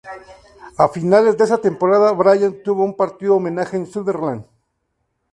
A finales de esa temporada Brian tuvo un partido homenaje en Sunderland.